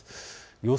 予想